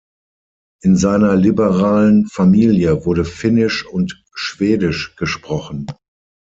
In seiner liberalen Familie wurde Finnisch und Schwedisch gesprochen.